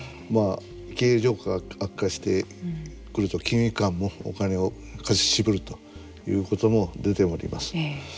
経営状況が悪化してくると金融機関もお金を貸し渋るということも出ております。